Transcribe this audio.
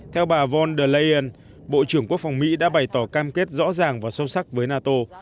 theo bà von der leyen bộ trưởng quốc phòng mỹ đã bày tỏ cam kết rõ ràng và sâu sắc với nato